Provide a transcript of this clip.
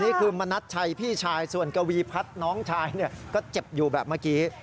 นี่คือมณัชชัยพี่ชายส่วนกวีพัฒน์น้องชายก็เจ็บอยู่แบบเมื่อกี้